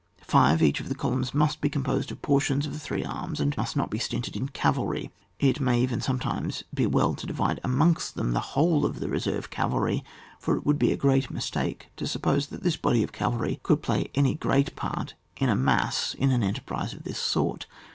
(5.) Each of the columns must be composed of portions of the three arms, and must not be stinted in cavalry, it may even sometimes be well to divide amongst them the whole of the reserve cavalry ; for it would be a great mistake to suppose that this body of cavalry coidd play any great part in a mass in an en terprise of this sort.